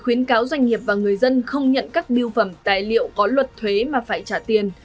khuyến cáo doanh nghiệp và người dân không nhận các biêu phẩm tài liệu có luật thuế mà phải trả tiền